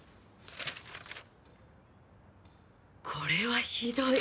これはひどい。